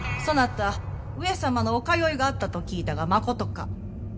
そなた上様のお通いがあったと聞いたがまことか？